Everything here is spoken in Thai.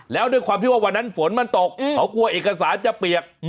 แล้วด้วยความที่ว่าวันนั้นฝนมันตกเขากลัวเอกสารจะเปียก